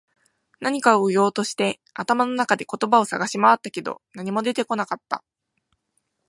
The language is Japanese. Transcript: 何かを言おうとして、頭の中で言葉を探し回ったけど、何も出てこなかった。